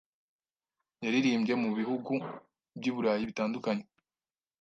yaririmbye mu bihugu by’iburayi bitandukanye.